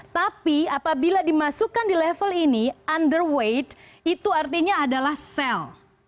tapi apabila dimasukkan di level ini underwait itu artinya adalah sel